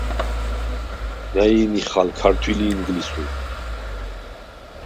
ნა̈ჲ ნიხალ ქართვილ ი ინგლისურ.